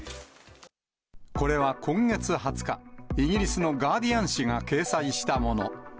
これは今月２０日、イギリスのガーディアン紙が掲載したもの。